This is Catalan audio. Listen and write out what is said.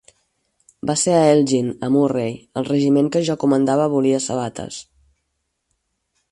Va ser a Elgin, a Murray; el regiment que jo comandava volia sabates.